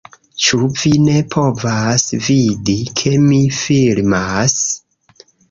Ĉu vi ne povas vidi, ke mi filmas?